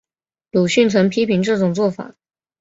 鲁迅曾批评这种做法。